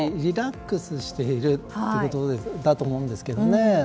リラックスしているということだと思うんですけどね。